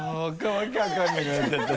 わけ分からなくなっちゃった。